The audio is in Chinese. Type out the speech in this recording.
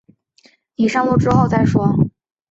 你上路之后再说